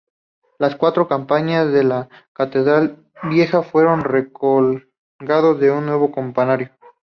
Las cuatro campanas de la catedral vieja fueron re-colgados en un nuevo campanario.